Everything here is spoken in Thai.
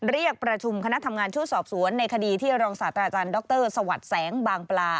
เรียกประชุมคณะทำงานชุดสอบสวนในคดีที่รองศาสตราจารย์ดรสวัสดิ์แสงบางปลา